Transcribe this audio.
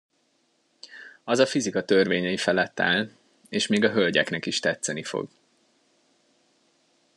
Az a fizika törvényei felett áll, és még a hölgyeknek is tetszeni fog.